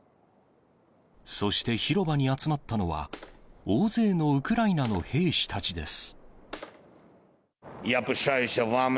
そして広場に集まったのは、大勢のウクライナの兵士たちです。